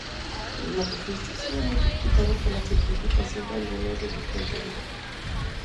El manifiesto ha sido muy criticado por la simplificación de algunos de sus contenidos.